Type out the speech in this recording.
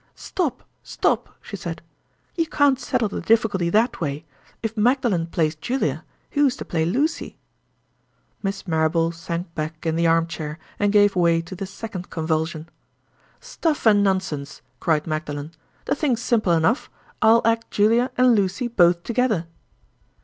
"Stop! Stop!" she said. "You can't settle the difficulty that way. If Magdalen plays Julia, who is to play Lucy?" Miss Marrable sank back in the arm chair, and gave way to the second convulsion. "Stuff and nonsense!" cried Magdalen, "the thing's simple enough, I'll act Julia and Lucy both together."